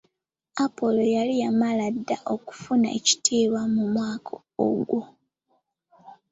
Apollo yali yamala dda okufuna ekitiibwa mu mwaka ogwo.